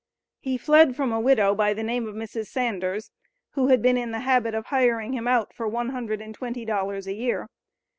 He fled from a widow by the name of Mrs. Sanders, who had been in the habit of hiring him out for "one hundred and twenty dollars a year."